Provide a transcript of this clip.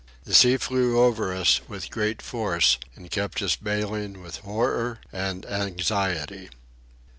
The sea flew over us with great force and kept us baling with horror and anxiety.